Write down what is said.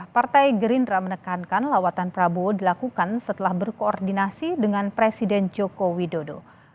partai gerindra menekankan lawatan prabowo dilakukan setelah berkoordinasi dengan presiden joko widodo